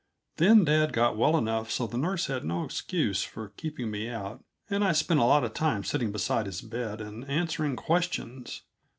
Then dad got well enough so the nurse had no excuse for keeping me out, and I spent a lot of time sitting beside his bed and answering questions.